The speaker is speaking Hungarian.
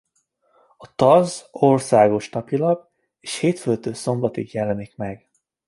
A taz országos napilap és hétfőtől szombatig jelenik meg.